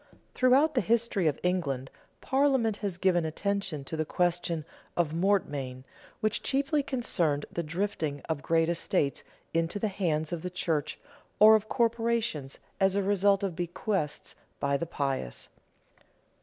Throughout the history of England, Parliament has given attention to the question of mortmain, which chiefly concerned the drifting of great estates into the hands of the church or of corporations, as a result of bequests by the pious.